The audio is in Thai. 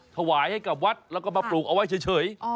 ถวายให้กับวัดแล้วก็มาปลูกเอาไว้เฉย